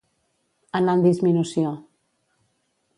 Anar en disminució.